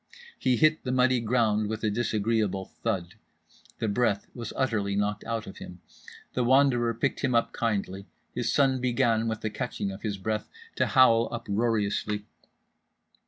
He hit the muddy ground with a disagreeable thud. The breath was utterly knocked out of him. The Wanderer picked him up kindly. His son began, with the catching of his breath, to howl uproariously.